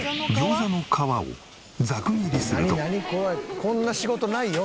こんな仕事ないよ。